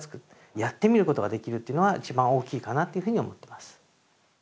やってみることができるというのは一番大きいかなっていうふうに思ってます。